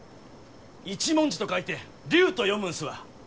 一文字と書いて「りゅう」と読むんですわ。